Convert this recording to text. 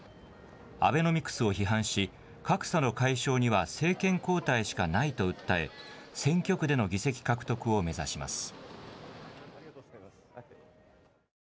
アベノミクスを批判し、格差の解消には政権交代しかないと訴え、選挙区での議席獲得を目指します。